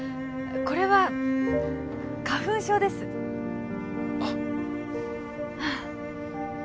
これは花粉症ですあっ